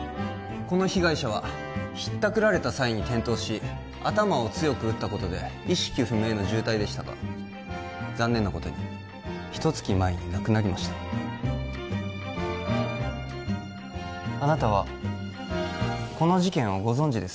この被害者はひったくられた際に転倒し頭を強く打ったことで意識不明の重体でしたが残念なことにひと月前に亡くなりましたあなたはこの事件をご存じですよね？